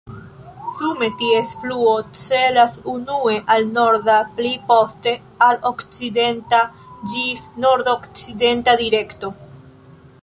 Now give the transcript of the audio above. Sume ties fluo celas unue al norda, pli poste al okcidenta ĝis nordokcidenta direkto.